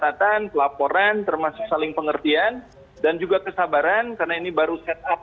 saya kira komunikasi dan pencatatan pelaporan termasuk saling pengertian dan juga kesabaran karena ini baru set up